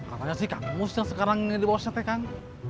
apanya sih kang mus yang sekarang di bosnya kang